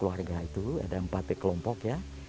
keluarga itu ada empat kelompok ya